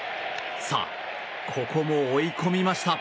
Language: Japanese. さあ、ここも追い込みました。